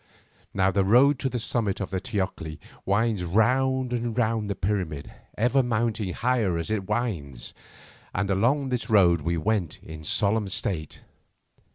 Now the road to the summit of the teocalli winds round and round the pyramid, ever mounting higher as it winds, and along this road we went in solemn state.